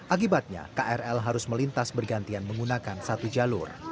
akibatnya krl harus melintas bergantian menggunakan satu jalur